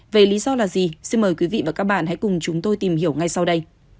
về lý do là gì xin mời quý vị và các bạn hãy cùng chúng tôi tìm hiểu ngay sau đây